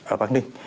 ở bắc ninh